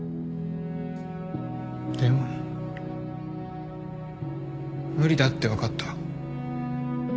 でも無理だって分かった。